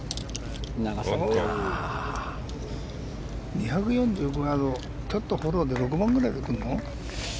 ２４５ヤードちょっとフォローで６番くらいでくるの？